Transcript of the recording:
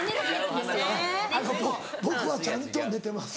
あの僕はちゃんと寝てます。